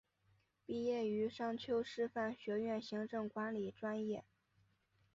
毕业于商丘师范学院行政管理专业。